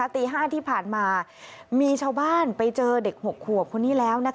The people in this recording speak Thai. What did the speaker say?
ตี๕ที่ผ่านมามีชาวบ้านไปเจอเด็ก๖ขวบคนนี้แล้ว